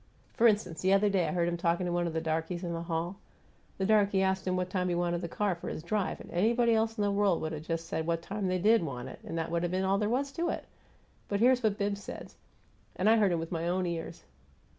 For instance, the other day I heard him talkin' to one of the darkies in the hall. The darky asked him what time he wanted the car for his drive, and anybody else in the world would have just said what time they DID want it, and that would have been all there was to it; but here's what Bibbs says, and I heard him with my own ears.